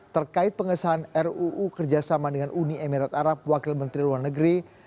terkait pengesahan ruu kerjasama dengan uni emirat arab wakil menteri luar negeri